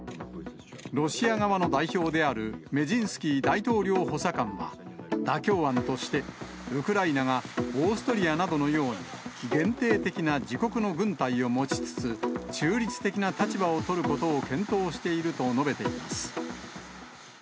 ロシア側の代表であるメジンスキー大統領補佐官は、妥協案として、ウクライナがオーストリアなどのように限定的な自国の軍隊を持ちつつ、中立的な立場をとることを検討していると述べています。